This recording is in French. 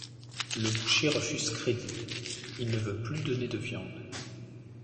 Le boucher refuse crédit, il ne veut plus donner de viande.